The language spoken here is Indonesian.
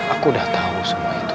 aku udah tahu semua itu